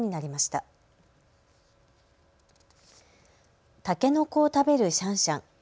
たけのこを食べるシャンシャン。